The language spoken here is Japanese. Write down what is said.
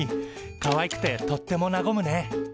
かわいくてとってもなごむね。